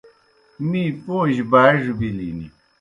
می پوں جیْ باڙیْ بِلِن۔